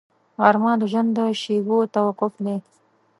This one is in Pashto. غرمه د ژوند د شېبو توقف دی